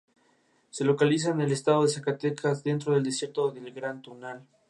Se localiza en el estado de Zacatecas dentro del desierto del Gran Tunal.